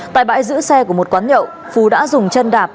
tại bãi giữ xe của một quán nhậu phú đã dùng chân đạp